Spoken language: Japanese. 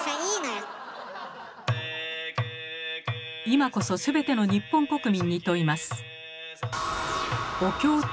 今こそすべての日本国民に問います。